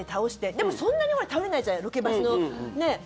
でも、そんなに倒れないじゃないロケバスの。